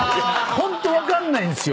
ホント分かんないんですよ！